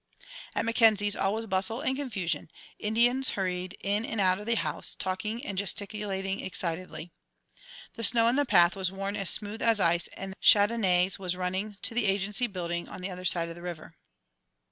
At Mackenzies', all was bustle and confusion. Indians hurried in and out of the house, talking and gesticulating excitedly. The snow on the path was worn as smooth as ice and Chandonnais was running to the Agency building on the other side of the river.